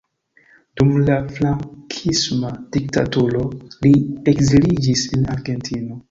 Dum la frankisma diktaturo li ekziliĝis en Argentino.